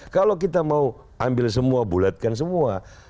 kalau kita mau ambil semua bulatkan semua